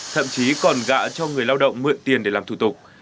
thậm chí còn gạ cho người lao động mượn tiền để làm thủ tục